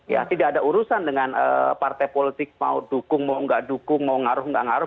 ya tidak ada urusan dengan partai politik mau dukung mau nggak dukung mau ngaruh nggak ngaruh